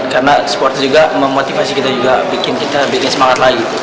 karena sport juga memotivasi kita juga bikin kita semangat lagi